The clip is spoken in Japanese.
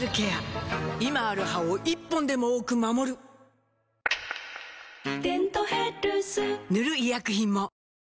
今ある歯を１本でも多く守る「デントヘルス」塗る医薬品も